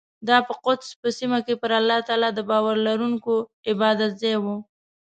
دا په قدس په سیمه کې پر الله تعالی د باور لرونکو عبادتځای و.